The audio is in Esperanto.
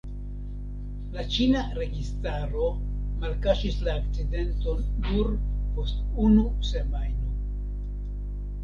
La ĉina registaro malkaŝis la akcidenton nur post unu semajno.